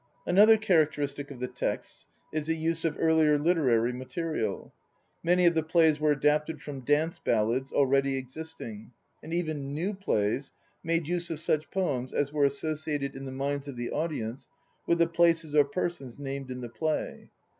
Another characteristic of the texts is the use of earlier literary material. Many of the plays were adapted from dance ballads already existing and even new plays made use of such poems as were asso ciated in the minds of the audience with the places 1 or persons named in the play.